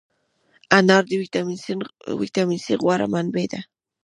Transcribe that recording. انار د ویټامین C غوره منبع ده.